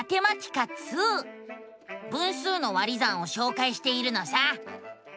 分数の「割り算」をしょうかいしているのさ。